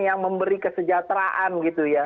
yang memberi kesejahteraan gitu ya